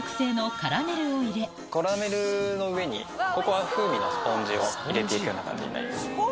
カラメルの上にココア風味のスポンジを入れていくような感じになります。